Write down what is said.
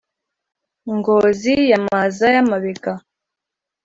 ngozi ya maza ya mabega,